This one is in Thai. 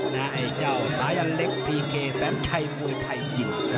น่าไอ้เจ้าสายันเล็กพีเคแซมไทยมวยไทยยิ่ง